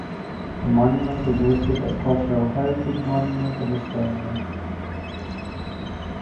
The monument is listed as cultural heritage monument of Estonia.